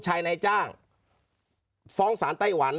เจ้าหน้าที่แรงงานของไต้หวันบอก